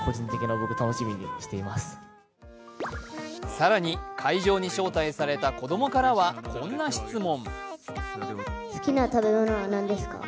更に会場に招待された子供からは、こんな質問。